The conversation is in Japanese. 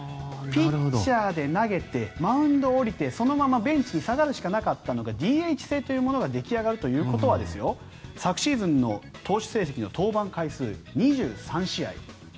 ピッチャーで投げてマウンド降りてそのままベンチに下がるしかなかったのがＤＨ制というものが出来上がるということは昨シーズンの投手成績の登板回数２３試合。